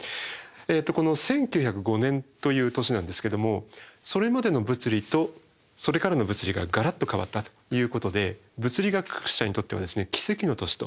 この１９０５年という年なんですけどもそれまでの物理とそれからの物理がガラッと変わったということで物理学者にとっては奇跡の年と。